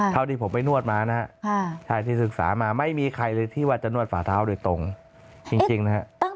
เท่าที่ผมไม่นวดมานะครับที่ศึกษามาไม่มีใครเลยที่ว่าจะนวดฝ่าเท้าโดยตรงจริงนะครับ